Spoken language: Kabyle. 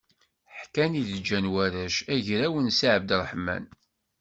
Ḥkan i d-ǧǧan warrac, agraw n Si Ɛebdrreḥman.